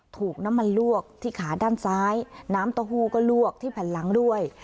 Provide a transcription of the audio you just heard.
ถูกน้ำมันลวกที่ขาด้านซ้ายน้ำเต้าหู้ก็ลวกที่แผ่นหลังด้วย